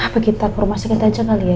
apa kita ke rumah sakit aja kali ya